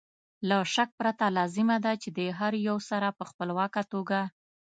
له شک پرته لازمه ده چې د هر یو سره په خپلواکه توګه